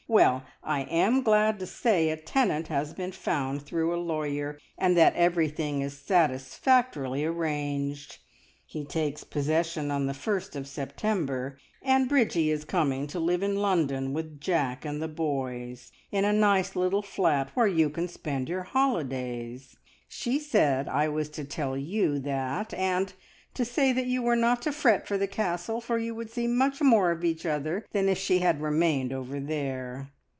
Well, I am glad to say a tenant has been found through a lawyer, and that everything is satisfactorily arranged. He takes possession on the first of September, and Bridgie is coming to live in London with Jack and the boys, in a nice little flat, where you can spend your holidays. She said I was to tell you that, and to say that you were not to fret for the Castle, for you would see much more of each other than if she had remained over there.